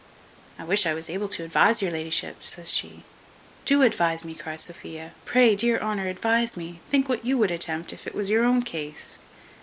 "I wish I was able to advise your la'ship," says she. "Do advise me," cries Sophia; "pray, dear Honour, advise me. Think what you would attempt if it was your own case."